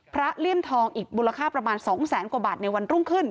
เลี่ยมทองอีกมูลค่าประมาณ๒แสนกว่าบาทในวันรุ่งขึ้น